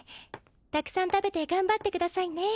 たくさん食べて頑張ってくださいね